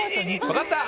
分かった！